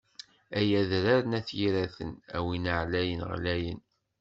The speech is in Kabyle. Ay adrar n at Yiraten, a win ɛlayen ɣlayen.